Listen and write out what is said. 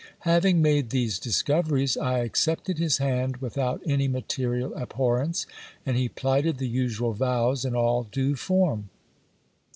Having made these discoveries, I accepted his hand without any material abhorrence, and he plighted the usual vows in all due form.